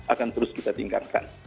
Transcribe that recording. akan terus kita tinggalkan